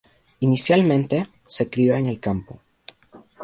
Inicialmente, se crio en el campo.